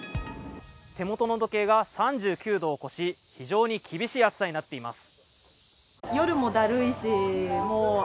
手元の温度計が３９度を超し非常に厳しい暑さになっています。